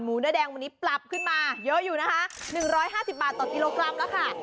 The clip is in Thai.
เนื้อแดงวันนี้ปรับขึ้นมาเยอะอยู่นะคะ๑๕๐บาทต่อกิโลกรัมแล้วค่ะ